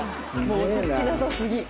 もう落ち着きなさすぎ。